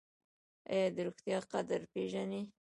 ایا د روغتیا قدر پیژنئ؟